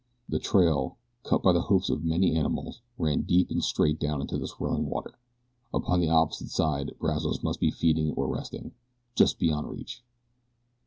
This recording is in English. The trail, cut by the hoofs of many animals, ran deep and straight down into the swirling water. Upon the opposite side Brazos must be feeding or resting, just beyond reach.